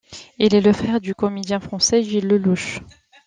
Il est le frère du comédien français Gilles Lellouche.